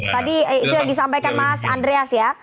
tadi itu yang disampaikan mas andreas ya